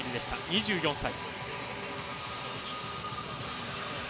２４歳。